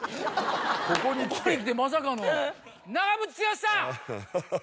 ここにきてまさかの長渕剛さん！